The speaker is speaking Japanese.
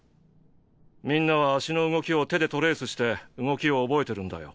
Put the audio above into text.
みんなは脚の動きを手でトレースして動きを覚えてるんだよ。